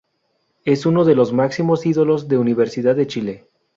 Es uno de los máximos ídolos de Universidad de Chile.